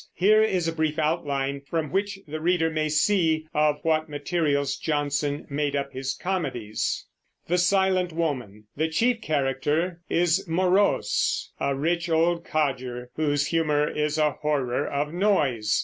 Here is a brief outline from which the reader may see of what materials Jonson made up his comedies. The chief character is Morose, a rich old codger whose humor is a horror of noise.